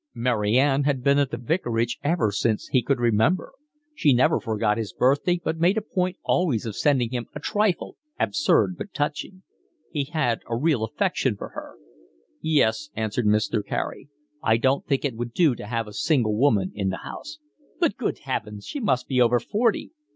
Mary Ann had been at the vicarage ever since he could remember. She never forgot his birthday, but made a point always of sending him a trifle, absurd but touching. He had a real affection for her. "Yes," answered Mr. Carey. "I didn't think it would do to have a single woman in the house." "But, good heavens, she must be over forty."